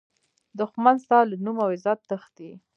دښمن ستا له نوم او عزته تښتي